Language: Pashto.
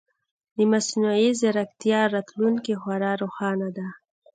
د مصنوعي ځیرکتیا راتلونکې خورا روښانه ده.